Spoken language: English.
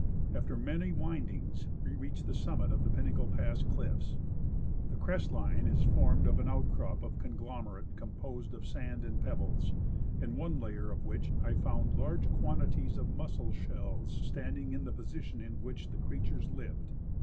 After many windings we reached the summit of the PUmacle pass cliffs The crest line is formed of an outcrop of conglomerate composed of sand and j)ebbles, in one layer of which I found large quanti ties of mussel shells standing in the position in which the creatures lived.